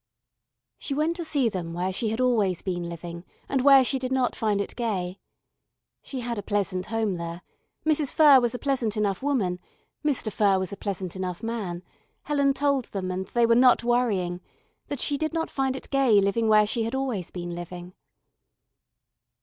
She went to see them where she had always been living and where she did not find it gay. She had a pleasant home there, Mrs. Furr was a pleasant enough woman, Mr. Furr was a pleasant enough man, Helen told them and they were not worrying, that she did not find it gay living where she had always been living.